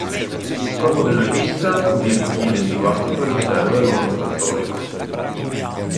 Scopo della rivista fu di arricchire il dibattito all'interno del mondo cattolico.